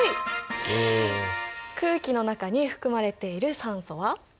空気の中に含まれている酸素は？